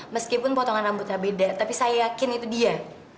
meskipun potongan rambutnya beda tapi saya yakin itu dia